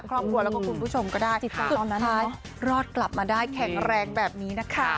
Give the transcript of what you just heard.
ครอบครัวแล้วก็คุณผู้ชมก็ได้รอดกลับมาได้แข็งแรงแบบนี้นะคะ